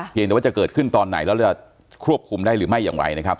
แต่ว่าจะเกิดขึ้นตอนไหนแล้วจะควบคุมได้หรือไม่อย่างไรนะครับ